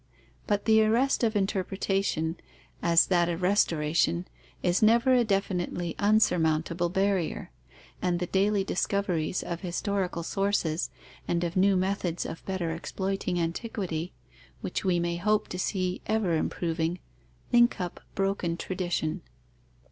But the arrest of interpretation, as that of restoration, is never a definitely unsurmountable barrier; and the daily discoveries of historical sources and of new methods of better exploiting antiquity, which we may hope to see ever improving, link up broken tradition.